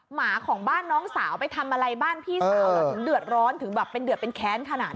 หมาของบ้านน้องสาวไปทำอะไรบ้านพี่สาวเราถึงเดือดร้อนถึงแบบเป็นเดือดเป็นแค้นขนาด